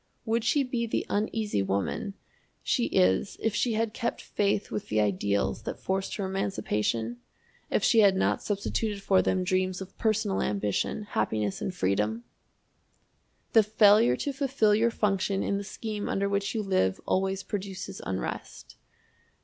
Would she be the Uneasy Woman she is if she had kept faith with the ideals that forced her emancipation? if she had not substituted for them dreams of personal ambition, happiness, and freedom! The failure to fulfill your function in the scheme under which you live always produces unrest.